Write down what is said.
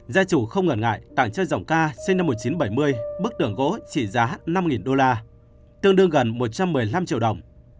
gia chủ không ngần ngại tặng chơi giọng ca sinh năm một nghìn chín trăm bảy mươi bức tường gỗ trị giá năm đô la tương đương gần một trăm một mươi năm triệu đồng